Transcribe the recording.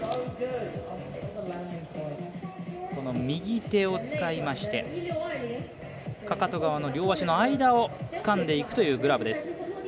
右手を使いましてかかと側の両足の間をつかんでいくというグラブです。